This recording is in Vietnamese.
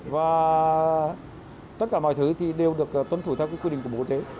và tất cả mọi thứ thì đều được tuân thủ theo quy định của bộ chế